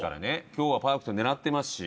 今日はパーフェクト狙ってますし。